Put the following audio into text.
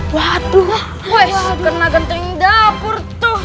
waduh kena genting dapur tuh